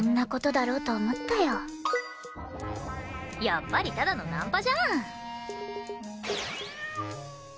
やっぱりただのナンパじゃん。